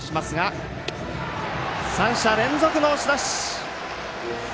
３者連続の押し出し！